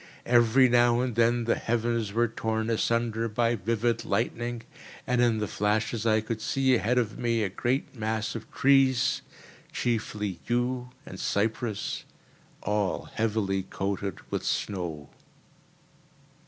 Every now and then the heavens were torn asunder by vivid lightning, and in the flashes I could see ahead of me a great mass of trees, chiefly yew and cypress all heavily coated with snow.